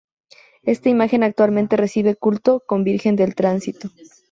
Esta imagen actualmente recibe culto como Virgen del Tránsito.